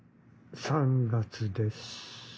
３月です。